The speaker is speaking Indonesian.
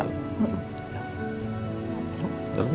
oh udah lagi